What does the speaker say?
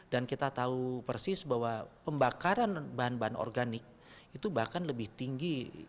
dan kita tahu persis bahwa pembakaran bahan bahan organik itu bahkan lebih tinggi